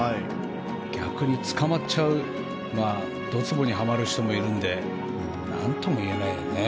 逆につかまっちゃうどつぼにはまっちゃう人もいるのでなんとも言えないよね。